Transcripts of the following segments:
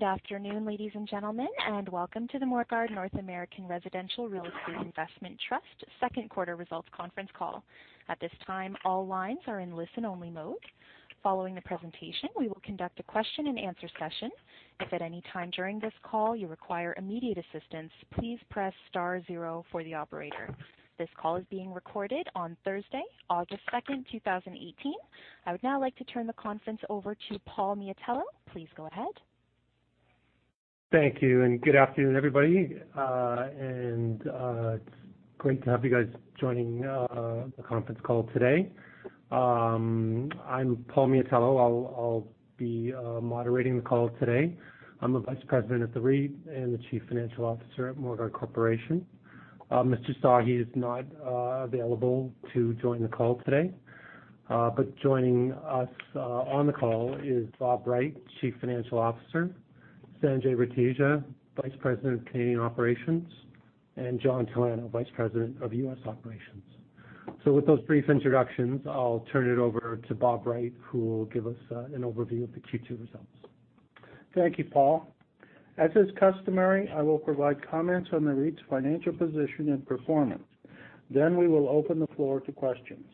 Good afternoon, ladies and gentlemen. Welcome to the Morguard North American Residential Real Estate Investment Trust second quarter results conference call. At this time, all lines are in listen-only mode. Following the presentation, we will conduct a question and answer session. If at any time during this call you require immediate assistance, please press star zero for the operator. This call is being recorded on Thursday, August 2nd, 2018. I would now like to turn the conference over to Paul Miatello. Please go ahead. Thank you. Good afternoon, everybody. It's great to have you guys joining the conference call today. I'm Paul Miatello. I'll be moderating the call today. I'm the Vice President of the REIT and the Chief Financial Officer at Morguard Corporation. Mr. Sahi is not available to join the call today. Joining us on the call is Bob Wright, Chief Financial Officer, Sanjay Ritesh, Vice President of Canadian Operations, and John Talano, Vice President of U.S. Operations. With those brief introductions, I'll turn it over to Bob Wright, who will give us an overview of the Q2 results. Thank you, Paul. As is customary, I will provide comments on the REIT's financial position and performance. We will open the floor to questions.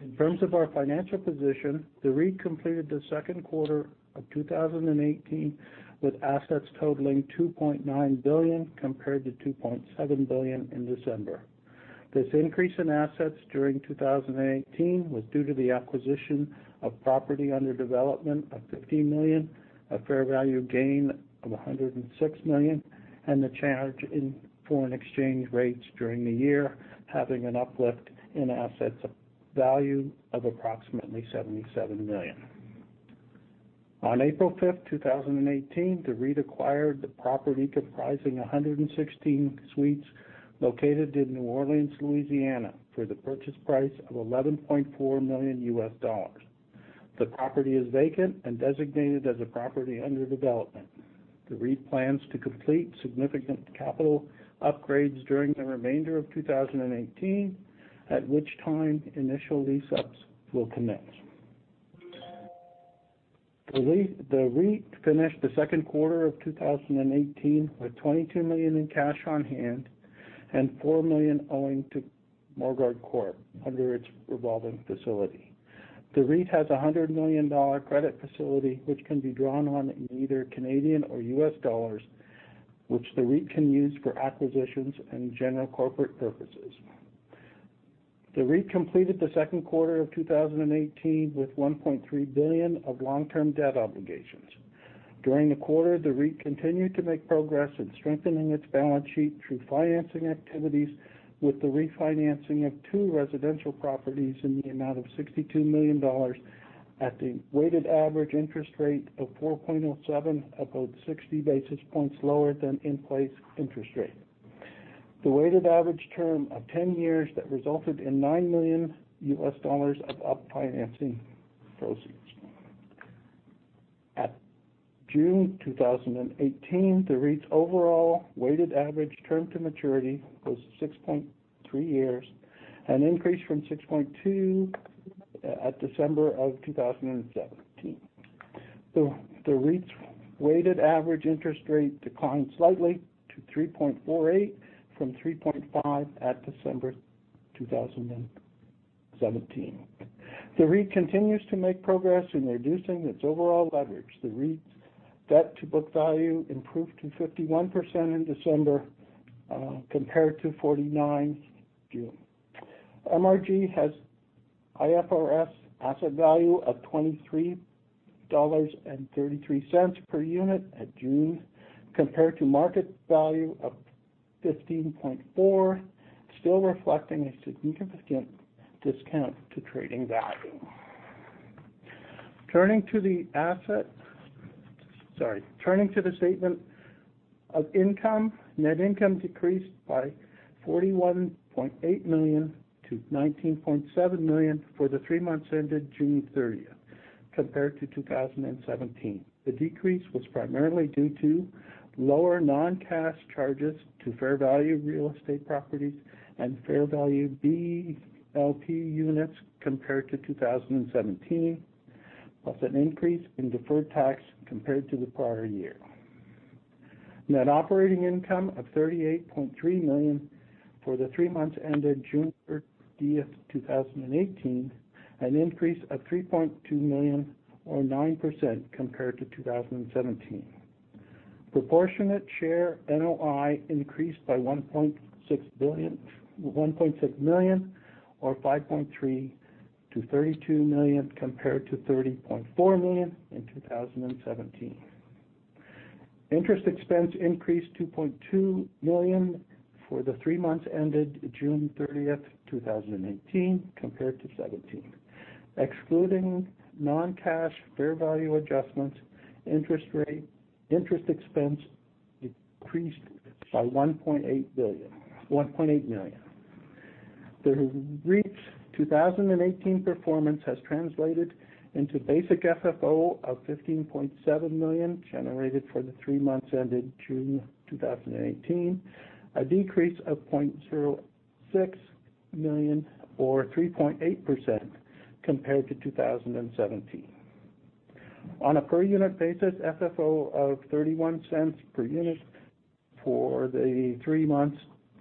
In terms of our financial position, the REIT completed the second quarter of 2018 with assets totaling 2.9 billion, compared to 2.7 billion in December. This increase in assets during 2018 was due to the acquisition of property under development of 15 million, a fair value gain of 106 million, and the change in foreign exchange rates during the year having an uplift in assets value of approximately 77 million. On April 5th, 2018, the REIT acquired the property comprising 116 suites located in New Orleans, Louisiana, for the purchase price of $11.4 million U.S. The property is vacant and designated as a property under development. The REIT plans to complete significant capital upgrades during the remainder of 2018, at which time initial lease-ups will commence. The REIT finished the second quarter of 2018 with 22 million in cash on hand and 4 million owing to Morguard Corp under its revolving facility. The REIT has a 100 million dollar credit facility, which can be drawn on in either Canadian or U.S. dollars, which the REIT can use for acquisitions and general corporate purposes. The REIT completed the second quarter of 2018 with 1.3 billion of long-term debt obligations. During the quarter, the REIT continued to make progress in strengthening its balance sheet through financing activities with the refinancing of two residential properties in the amount of 62 million dollars at the weighted average interest rate of 4.07%, about 60 basis points lower than in-place interest rate. The weighted average term of 10 years that resulted in 9 million US dollars of up financing proceeds. At June 2018, the REIT's overall weighted average term to maturity was 6.3 years, an increase from 6.2 at December 2017. The REIT's weighted average interest rate declined slightly to 3.48 from 3.5 at December 2017. The REIT continues to make progress in reducing its overall leverage. The REIT's debt to book value improved to 51% in December, compared to 49% in June. MRG has IFRS asset value of 23.33 dollars per unit at June, compared to market value of 15.4, still reflecting a significant discount to trading value. Turning to the statement of income, net income decreased by 41.8 million to 19.7 million for the three months ended June 30th compared to 2017. The decrease was primarily due to lower non-cash charges to fair value real estate properties and fair value BLP units compared to 2017, plus an increase in deferred tax compared to the prior year. Net operating income of 38.3 million for the three months ended June 30th, 2018, an increase of 3.2 million or 9% compared to 2017. Proportionate share NOI increased by 1.6 million or 5.3% to 32 million compared to 30.4 million in 2017. Interest expense increased 2.2 million for the three months ended June 30th, 2018 compared to 2017. Excluding non-cash fair value adjustments, interest expense decreased by 1.8 million. The REIT's 2018 performance has translated into basic FFO of 15.7 million generated for the three months ended June 2018, a decrease of 0.6 million or 3.8% compared to 2017. On a per-unit basis, FFO of 0.31 per unit for the three months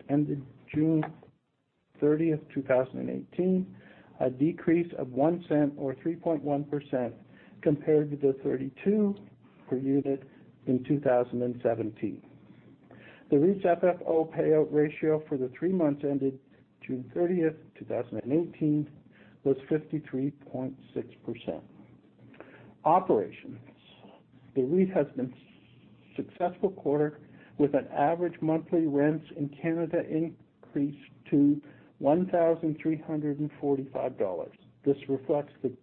ended June 30th, 2018, a decrease of 0.01 or 3.1% compared to the 0.32 per unit in 2017. The REIT's FFO payout ratio for the three months ended June 30th, 2018, was 53.6%. Operations. The REIT has been successful quarter with an average monthly rents in Canada increased to 1,345 dollars. This reflects the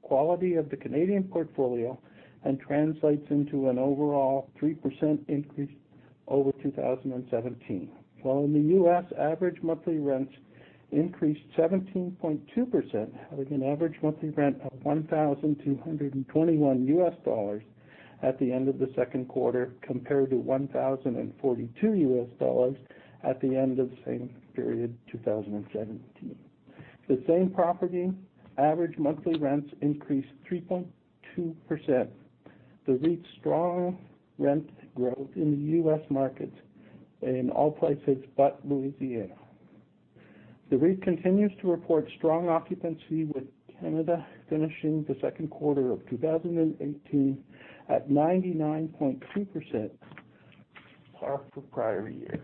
quality of the Canadian portfolio and translates into an overall 3% increase over 2017. While in the U.S., average monthly rents increased 17.2%, with an average monthly rent of 1,221 US dollars at the end of the second quarter, compared to 1,042 US dollars at the end of the same period, 2017. The same property average monthly rents increased 3.2%. The REIT's strong rent growth in the U.S. markets in all places but Louisiana. The REIT continues to report strong occupancy, with Canada finishing the second quarter of 2018 at 99.2% par for prior year.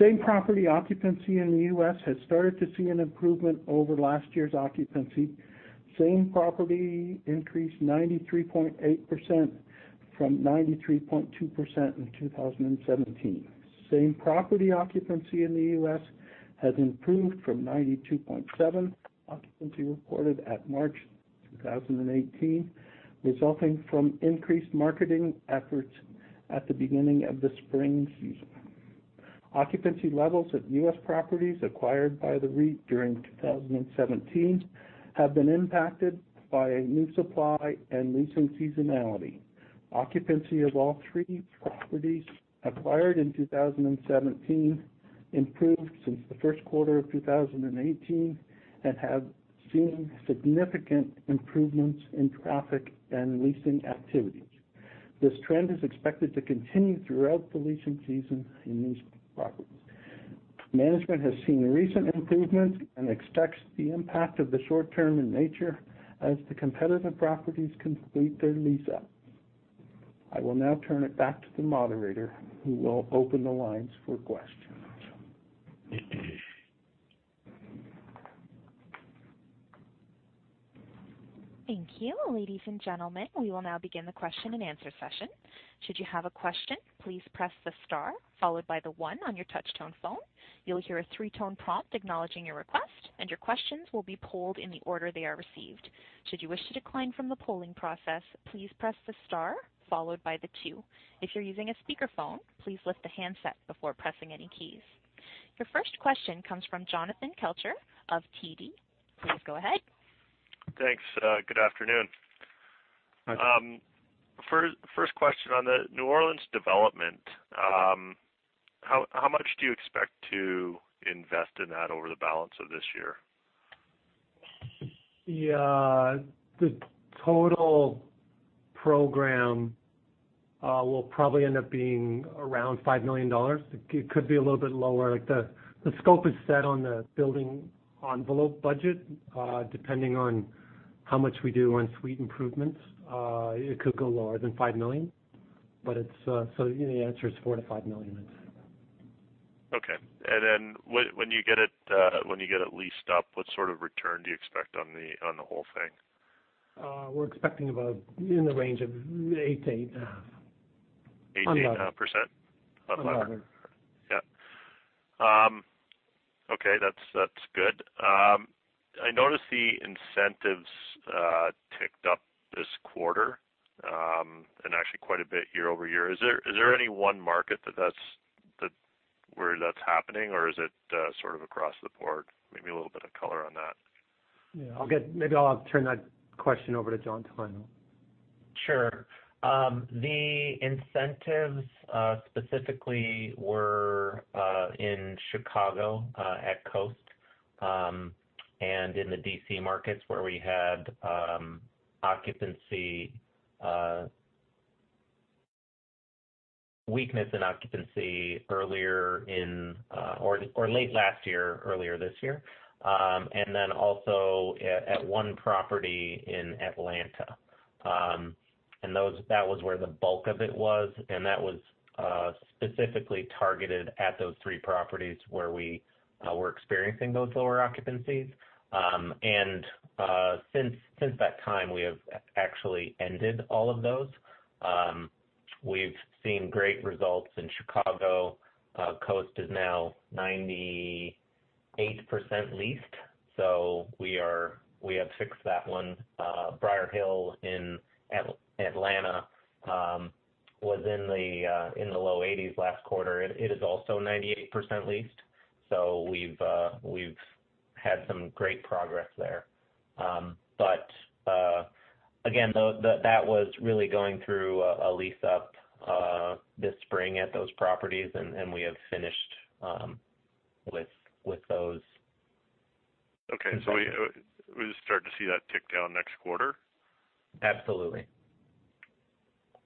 Same property occupancy in the U.S. has started to see an improvement over last year's occupancy. Same property increased 93.8% from 93.2% in 2017. Same property occupancy in the U.S. has improved from 92.7% occupancy reported at March 2018, resulting from increased marketing efforts at the beginning of the spring season. Occupancy levels at U.S. properties acquired by the REIT during 2017 have been impacted by a new supply and leasing seasonality. Occupancy of all three properties acquired in 2017 improved since the first quarter of 2018 and have seen significant improvements in traffic and leasing activities. This trend is expected to continue throughout the leasing season in these properties. Management has seen recent improvements and expects the impact of the short-term in nature as the competitive properties complete their lease-up. I will now turn it back to the moderator who will open the lines for questions. Thank you. Ladies and gentlemen, we will now begin the question-and-answer session. Should you have a question, please press the star followed by the one on your touch-tone phone. You'll hear a three-tone prompt acknowledging your request, and your questions will be polled in the order they are received. Should you wish to decline from the polling process, please press the star followed by the two. If you're using a speakerphone, please lift the handset before pressing any keys. Your first question comes from Jonathan Kelcher of TD. Please go ahead. Thanks. Good afternoon. Hi. First question on the New Orleans development. How much do you expect to invest in that over the balance of this year? The total program will probably end up being around 5 million dollars. It could be a little bit lower. The scope is set on the building envelope budget. Depending on how much we do on suite improvements, it could go lower than 5 million, so the answer is 4 million to 5 million. Okay. Then when you get it leased up, what sort of return do you expect on the whole thing? We're expecting about in the range of eight to- 8% to 10%? Eleven. 11. Yep. Okay. That's good. I noticed the incentives ticked up this quarter, actually quite a bit year-over-year. Is there any one market where that's happening, or is it sort of across the board? Maybe a little bit of color on that. Yeah. Maybe I'll turn that question over to John Talano. Sure. The incentives, specifically, were in Chicago, at Coast, and in the D.C. markets where we had weakness in occupancy late last year, earlier this year. Also at one property in Atlanta. That was where the bulk of it was, and that was specifically targeted at those three properties where we were experiencing those lower occupancies. Since that time, we have actually ended all of those. We've seen great results in Chicago. Coast is now 98% leased, so we have fixed that one. Briarhill in Atlanta was in the low 80s last quarter. It is also 98% leased. We've had some great progress there. Again, that was really going through a lease-up this spring at those properties, and we have finished with those. Okay. We'll start to see that tick down next quarter? Absolutely.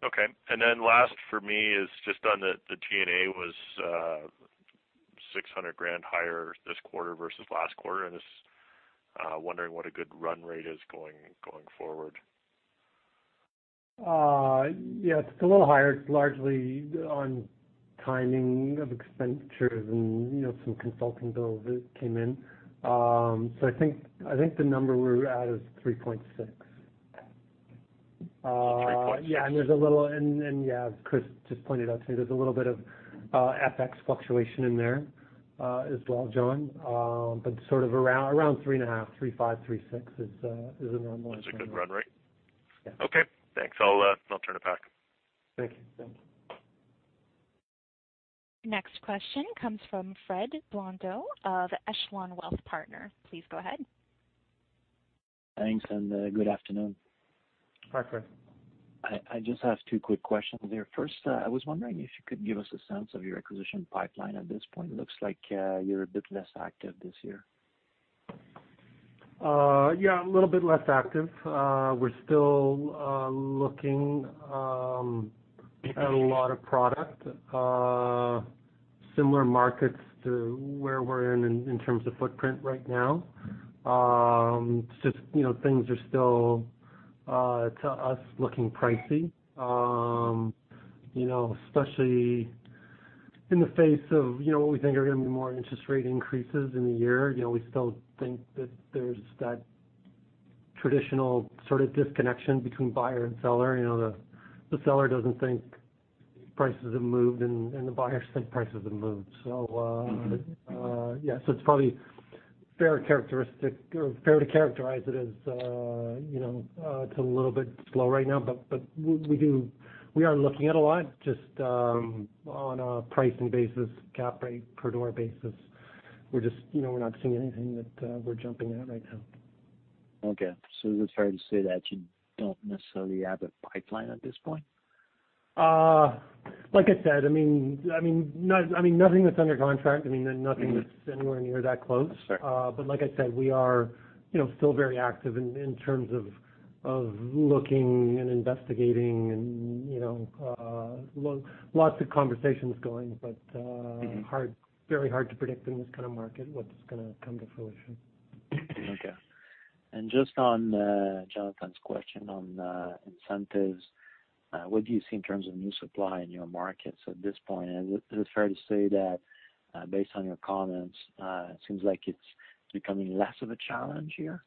Okay. Last for me is just on the G&A was 600 thousand higher this quarter versus last quarter, just wondering what a good run rate is going forward. Yes, it's a little higher. It's largely on timing of expenditures and some consulting bills that came in. I think the number we're at is 3.6 million. 3.6? Yeah. As Chris just pointed out too, there's a little bit of FX fluctuation in there as well, John. Sort of around 3.5 million-3.6 million is the normal- That's a good run rate. Yeah. Okay, thanks. I'll turn it back. Thank you. Thank you. Next question comes from Fred Blondeau of Echelon Wealth Partners. Please go ahead. Thanks, good afternoon. Hi, Fred. I just have two quick questions there. First, I was wondering if you could give us a sense of your acquisition pipeline at this point. It looks like you're a bit less active this year. Yeah, a little bit less active. We're still looking at a lot of product. Similar markets to where we're in terms of footprint right now. Things are still, to us, looking pricey. Especially in the face of what we think are going to be more interest rate increases in the year. We still think that there's that traditional sort of disconnection between buyer and seller. The seller doesn't think prices have moved, the buyers think prices have moved. yeah. It's probably fair to characterize it as it's a little bit slow right now, but we are looking at a lot just on a pricing basis, cap rate per door basis. We're not seeing anything that we're jumping at right now. Okay. Is it fair to say that you don't necessarily have a pipeline at this point? Like I said, nothing that's under contract, nothing that's anywhere near that close. Sure. Like I said, we are still very active in terms of looking and investigating and lots of conversations going. very hard to predict in this kind of market what's going to come to fruition. Okay. Just on Jonathan's question on incentives, what do you see in terms of new supply in your markets at this point? Is it fair to say that, based on your comments, it seems like it's becoming less of a challenge here?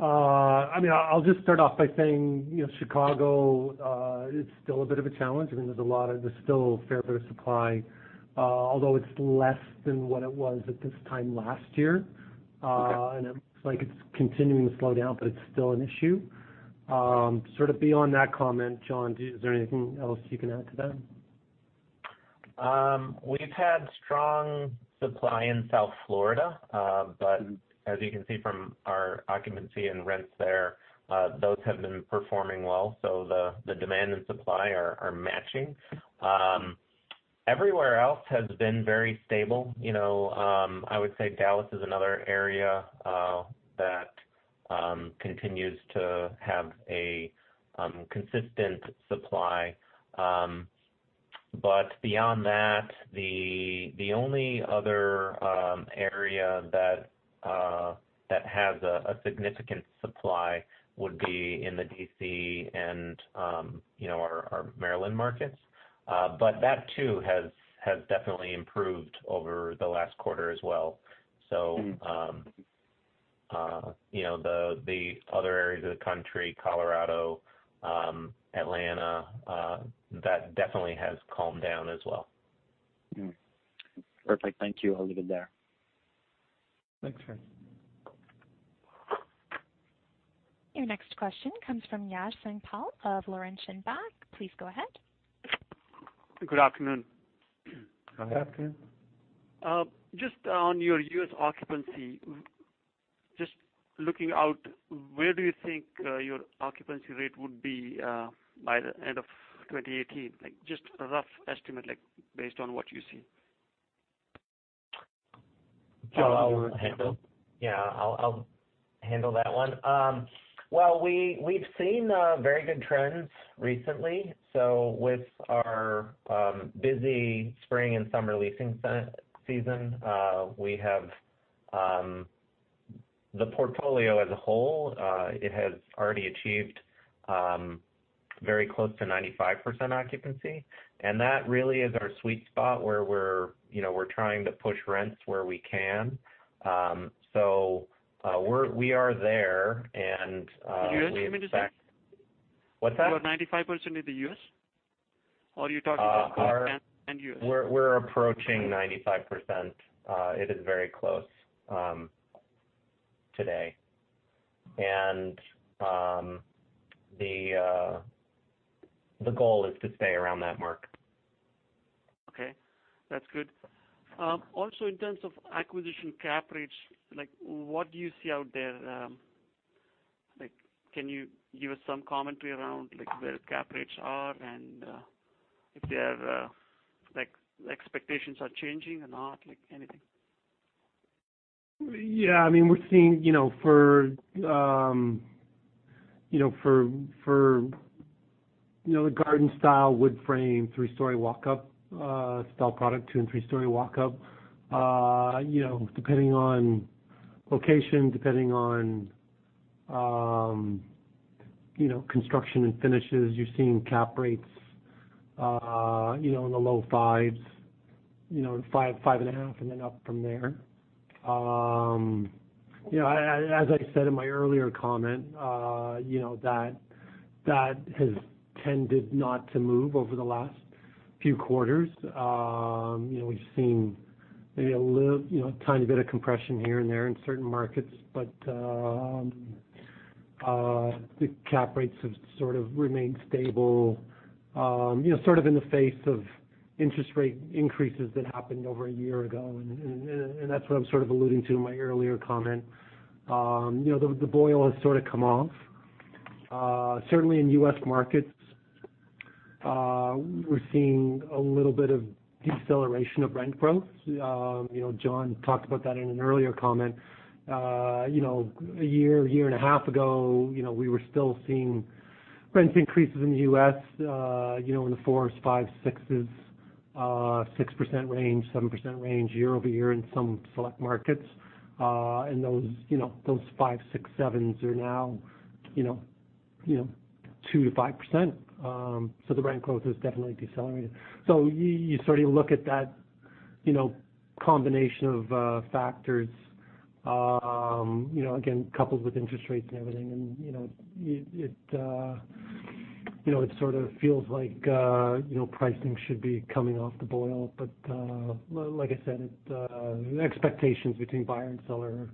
I'll just start off by saying Chicago is still a bit of a challenge. There's still a fair bit of supply. It's less than what it was at this time last year. Okay. It looks like it's continuing to slow down, it's still an issue. Sort of beyond that comment, John, is there anything else you can add to that? We've had strong supply in South Florida. As you can see from our occupancy and rents there, those have been performing well. The demand and supply are matching. Everywhere else has been very stable. I would say Dallas is another area that continues to have a consistent supply. Beyond that, the only other area that has a significant supply would be in the D.C. and our Maryland markets. That too has definitely improved over the last quarter as well. The other areas of the country, Colorado, Atlanta, that definitely has calmed down as well. Perfect. Thank you. I'll leave it there. Thanks, Fred. Your next question comes from Yash Singhal of Laurentian Bank. Please go ahead. Good afternoon. Good afternoon. Just on your U.S. occupancy, just looking out, where do you think your occupancy rate would be by the end of 2018? Just a rough estimate based on what you see. John, do you want to take that? Yeah. I'll handle that one. Well, we've seen very good trends recently. With our busy spring and summer leasing season, the portfolio as a whole it has already achieved very close to 95% occupancy, and that really is our sweet spot where we're trying to push rents where we can. We are there and we expect. U.S., you mean to say? What's that? You are 95% in the U.S.? Are you talking about Canada and U.S.? We're approaching 95%. It is very close today. The goal is to stay around that mark. Okay, that's good. Also, in terms of acquisition cap rates, what do you see out there? Can you give us some commentary around where cap rates are, and if their expectations are changing or not? Anything. Yeah. We're seeing for the garden-style wood frame, three-story walk-up style product, two and three-story walk-up. Depending on location, depending on construction and finishes, you're seeing cap rates in the low fives, 5.5 and then up from there. As I said in my earlier comment, that has tended not to move over the last few quarters. We've seen maybe a tiny bit of compression here and there in certain markets, the cap rates have sort of remained stable in the face of interest rate increases that happened over a year ago, that's what I'm sort of alluding to in my earlier comment. The boil has sort of come off. Certainly in U.S. markets, we're seeing a little bit of deceleration of rent growth. John talked about that in an earlier comment. A year and a half ago, we were still seeing rent increases in the U.S. in the 4s, 5s, 6s, 6% range, 7% range year-over-year in some select markets. Those 5s, 6s, 7s are now 2%-5%. The rent growth has definitely decelerated. You sort of look at that combination of factors, again, coupled with interest rates and everything, and it sort of feels like pricing should be coming off the boil. Like I said, expectations between buyer and seller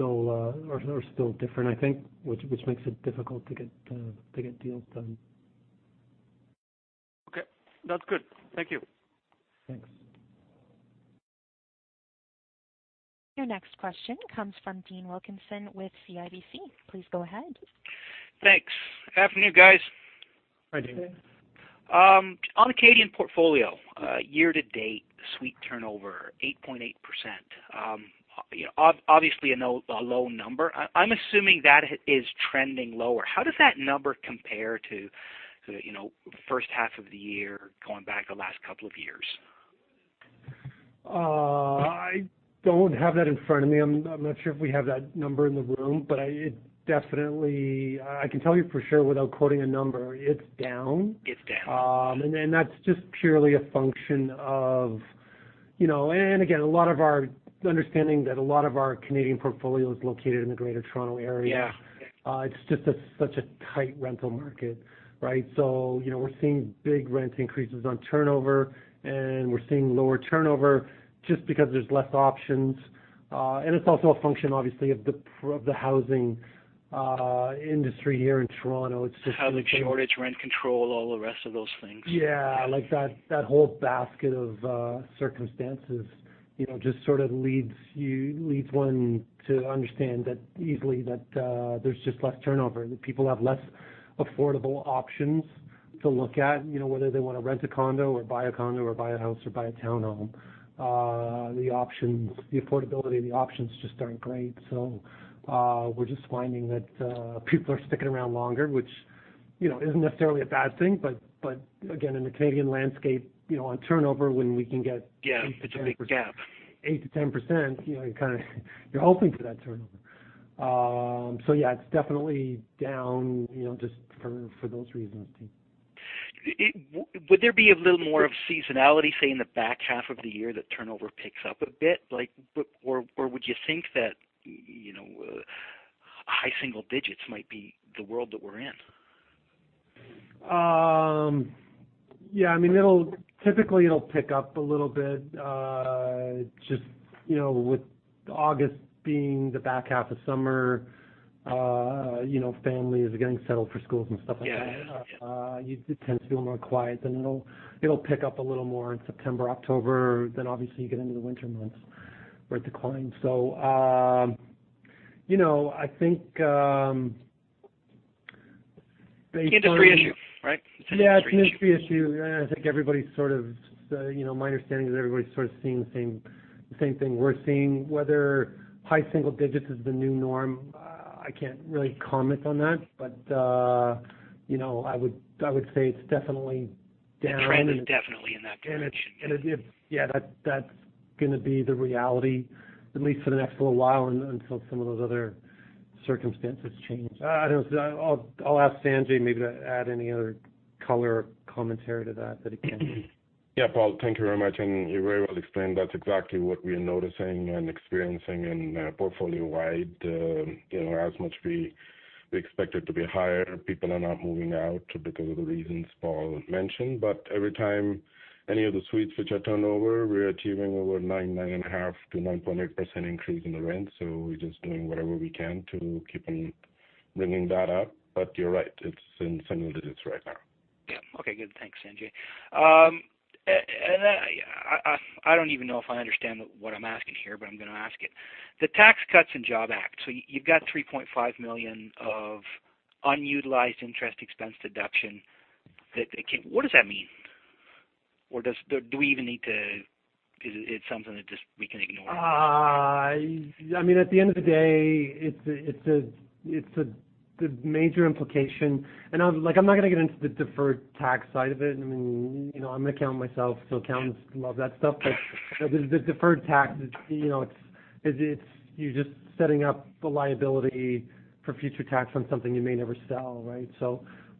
are still different, I think, which makes it difficult to get deals done. Okay. That's good. Thank you. Thanks. Your next question comes from Dean Wilkinson with CIBC. Please go ahead. Thanks. Afternoon, guys. Hi, Dean. On the Canadian portfolio, year to date, suite turnover 8.8%. Obviously a low number. I'm assuming that is trending lower. How does that number compare to the first half of the year, going back the last couple of years? I don't have that in front of me. I'm not sure if we have that number in the room. I can tell you for sure, without quoting a number, it's down. It's down. again, understanding that a lot of our Canadian portfolio is located in the Greater Toronto Area- Yeah it's just such a tight rental market, right? We're seeing big rent increases on turnover, and we're seeing lower turnover just because there's less options. It's also a function, obviously, of the housing industry here in Toronto. It's just- Housing shortage, rent control, all the rest of those things. Yeah. That whole basket of circumstances just sort of leads one to understand easily that there's just less turnover, and people have less affordable options to look at, whether they want to rent a condo or buy a condo or buy a house or buy a town home. The affordability and the options just aren't great. We're just finding that people are sticking around longer, which isn't necessarily a bad thing. again, in the Canadian landscape on turnover, when we can get- Yeah, it's a big gap 8%-10%, you're hoping for that turnover. Yeah, it's definitely down just for those reasons, Dean. Would there be a little more of seasonality, say, in the back half of the year that turnover picks up a bit? Would you think that high single digits might be the world that we're in? Yeah. Typically it'll pick up a little bit. Just with August being the back half of summer, families are getting settled for schools and stuff like that. Yeah. It tends to be a little more quiet, then it'll pick up a little more in September, October. Obviously you get into the winter months where it declines. I think based on. It's an industry issue, right? Yeah, it's an industry issue. My understanding is everybody's sort of seeing the same thing we're seeing. Whether high single digits is the new norm, I can't really comment on that. I would say it's definitely down. The trend is definitely in that direction. Yeah. That's going to be the reality, at least for the next little while, until some of those other circumstances change. I'll ask Sanjay maybe to add any other color or commentary to that he can. Yeah, Paul, thank you very much. You very well explained. That's exactly what we're noticing and experiencing in portfolio-wide. As much we expect it to be higher, people are not moving out because of the reasons Paul mentioned. Every time any of the suites which are turnover, we're achieving over 9.5%-9.8% increase in the rent. We're just doing whatever we can to keep them bringing that up, but you're right, it's in single digits right now. Yeah. Okay, good. Thanks, Sanjay. I don't even know if I understand what I'm asking here, but I'm going to ask it. The Tax Cuts and Jobs Act, you've got $3.5 million of unutilized interest expense deduction. What does that mean? Is it something that just we can ignore? At the end of the day, it's the major implication, and I'm not going to get into the deferred tax side of it. I'm an accountant myself, so accountants love that stuff. The deferred tax, you're just setting up a liability for future tax on something you may never sell.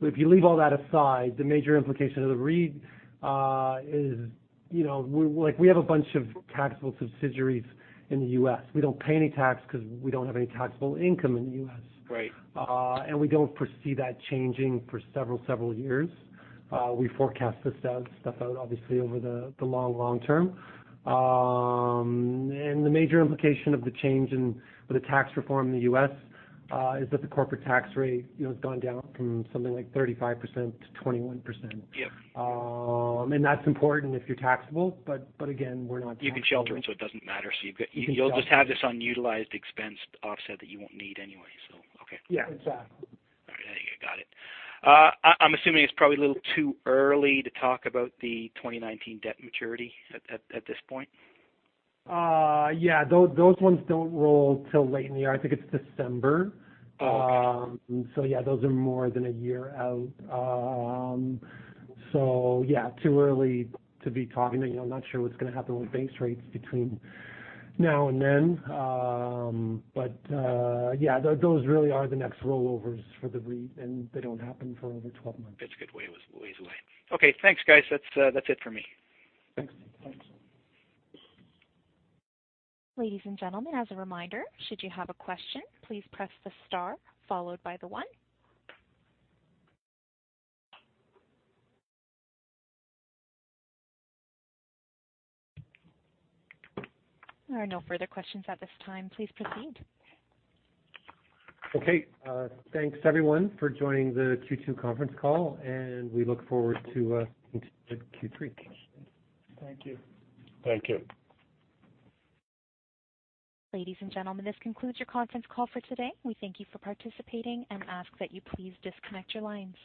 If you leave all that aside, the major implication of the REIT is we have a bunch of taxable subsidiaries in the U.S. We don't pay any tax because we don't have any taxable income in the U.S. Right. We don't foresee that changing for several years. We forecast this stuff out obviously over the long term. The major implication of the change in the tax reform in the U.S. is that the corporate tax rate has gone down from something like 35% to 21%. Yeah. That's important if you're taxable, but again, we're not taxable. You can shelter it, so it doesn't matter. You'll just have this unutilized expense offset that you won't need anyway. Okay. Yeah, exactly. All right. I think I got it. I'm assuming it's probably a little too early to talk about the 2019 debt maturity at this point? Yeah, those ones don't roll till late in the year. I think it's December. Okay. Yeah, those are more than a year out. Yeah, too early to be talking. I'm not sure what's going to happen with base rates between now and then. Yeah, those really are the next rollovers for the REIT, and they don't happen for over 12 months. It's a good ways away. Okay, thanks, guys. That's it for me. Thanks. Thanks. Ladies and gentlemen, as a reminder, should you have a question, please press the star followed by the one. There are no further questions at this time. Please proceed. Okay. Thanks everyone for joining the Q2 conference call. We look forward to Q3. Thank you. Thank you. Ladies and gentlemen, this concludes your conference call for today. We thank you for participating and ask that you please disconnect your lines.